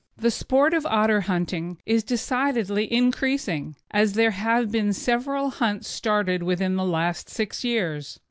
The sport of otter hunting is decidedly increasing, as there have been several hunts started within the last six years.